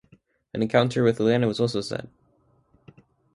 An encounter with Atlanta was also set.